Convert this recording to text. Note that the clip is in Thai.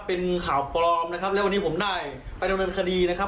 เป็นข่าวปลอมนะครับแล้ววันนี้ผมได้ไปดำเนินคดีนะครับ